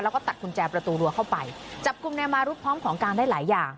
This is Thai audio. แล้วก็ตัดกุญแจประตูรัวเข้าไปจับกลุ่มนายมารุดพร้อมของกลางได้หลายอย่าง